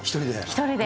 １人で。